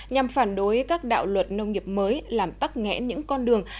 nhằm phản đối các đạo luật nông nghiệp mới làm tắt nghẽ những con đường